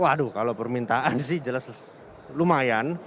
waduh kalau permintaan sih jelas lumayan